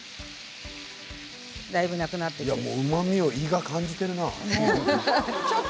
うまみを胃が感じてるな。